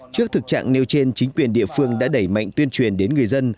trước thực trạng nêu trên chính quyền địa phương đã đẩy mạnh tuyên truyền đến người dân